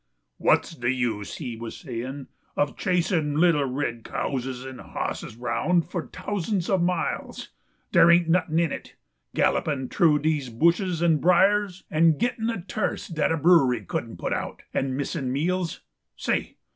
"Wat's de use," he was saying, "of chasin' little red cowses and hosses 'round for t'ousands of miles? Dere ain't nuttin' in it. Gallopin' t'rough dese bushes and briers, and gettin' a t'irst dat a brewery couldn't put out, and missin' meals! Say!